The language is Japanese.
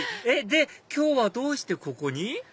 今日はどうしてここに？